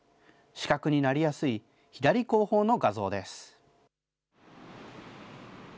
死角になりやすい左後方の画像です。